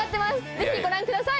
ぜひご覧ください。